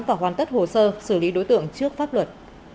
và hoàn tất hồ sơ xử lý đối tượng trước pháp luật